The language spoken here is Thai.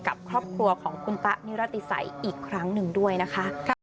กับครอบครัวของคุณตะนิรติสัยอีกครั้งหนึ่งด้วยนะคะ